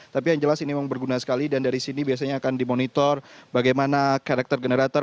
tapi yang jelas ini memang berguna sekali dan dari sini biasanya akan dimonitor bagaimana karakter generator